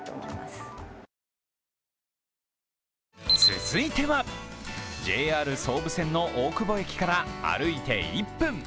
続いては、ＪＲ総武線の大久保駅から歩いて１分。